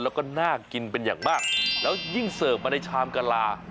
แล้วก็น่ากินเป็นอย่างมากแล้วยิ่งเสิร์ฟมาในชามกะลา